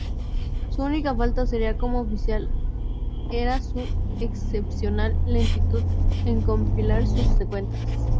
Su única falta seria como oficial era su excepcional lentitud en compilar sus cuentas.